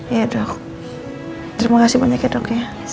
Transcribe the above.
iya dok terima kasih banyak ya dok